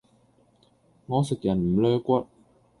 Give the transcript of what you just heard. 我食人唔 𦧲 骨